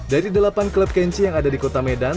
dari delapan klub kenchi yang ada di kota medan